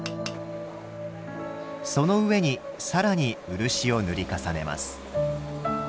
その上に更に漆を塗り重ねます。